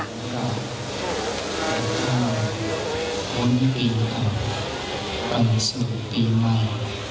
ขอบคุณครับวันนี้ปีของความสุขปีใหม่